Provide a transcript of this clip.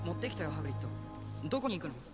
ハグリッドどこに行くの？